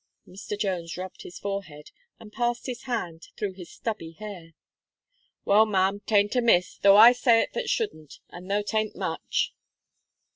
Mr. Jones rubbed his forehead, and passed his hand through his stubby hair. "Well, Ma'am, 'tain't amiss, though I say it that shouldn't, and though 'tain't much."